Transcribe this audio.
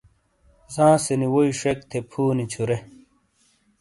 زانسے نی ووئی شیک تھے فُونی چھُرے۔